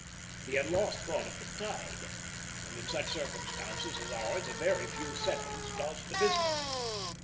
He had lost thought of the tide, and in such circumstances as ours a very few seconds does the business.